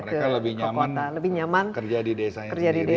ke kota lebih nyaman kerja di desanya sendiri